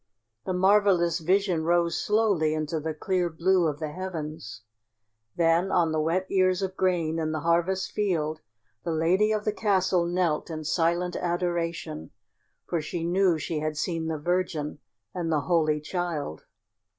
The marvelous vision rose slowly into the clear blue of the heavens. Then on the wet ears of grain in the harvest field the lady of the castle knelt in silent adoration, for she knew she had seen the Virgin and the Holy Child.